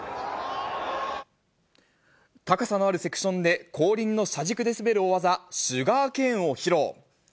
高さのあるセクションで、後輪の車軸で滑る大技、シュガーケーンを披露。